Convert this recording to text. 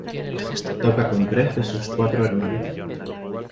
Toca con tres de sus cuatro hermanos.